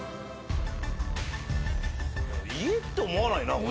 家って思わないなこれ。